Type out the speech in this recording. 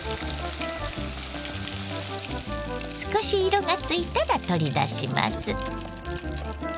少し色がついたら取り出します。